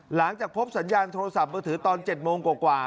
หลังจากพบสัญญาณโทรศัพท์มือถือตอน๗โมงกว่า